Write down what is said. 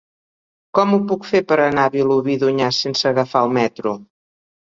Com ho puc fer per anar a Vilobí d'Onyar sense agafar el metro?